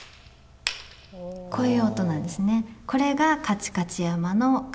こういう音なんですね。